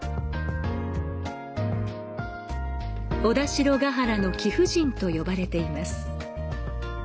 小田代原の貴婦人と呼ばれています。